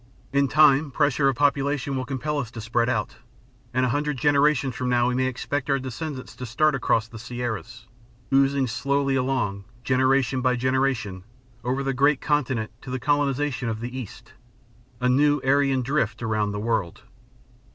In time, pressure of population will compel us to spread out, and a hundred generations from now we may expect our descendants to start across the Sierras, oozing slowly along, generation by generation, over the great continent to the colonization of the East a new Aryan drift around the world.